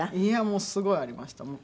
いやもうすごいありました。